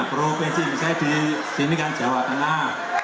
provinsi misalnya di sini kan jawa enak